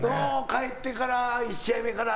帰ってから１試合目から。